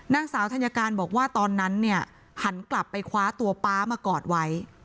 นางสาวธัญการบอกว่าตอนนั้นเนี่ยหันกลับไปคว้าตัวป๊ามากอดไว้